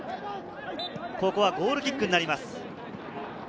ゴールキックになります。